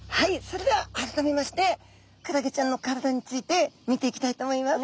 それでは改めましてクラゲちゃんの体について見ていきたいと思います。